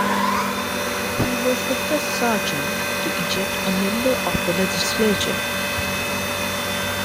He was the first sergeant to eject a member of the Legislature.